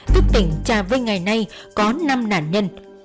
tức tỉnh trà vinh ngày nay có năm nạn nhân